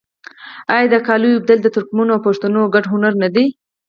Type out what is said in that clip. آیا د قالیو اوبدل د ترکمنو او پښتنو ګډ هنر نه دی؟